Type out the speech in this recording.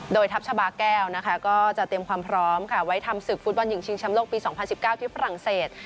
โดยทัพชาบาแก้วนะคะก็จะเตรียมความพร้อมค่ะไว้ทำศึกฟุตบอลหญิงชิงแชมป์โลกปี๒๐๑๙ที่ฝรั่งเศส